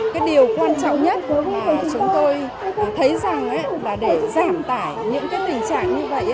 cái điều quan trọng nhất mà chúng tôi thấy rằng là để giảm tải những tình trạng như vậy